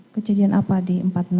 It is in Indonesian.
kejadian apa di empat puluh enam